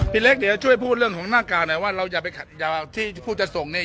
เล็กเดี๋ยวช่วยพูดเรื่องของหน้ากากหน่อยว่าเราอย่าไปที่ผู้จะส่งนี่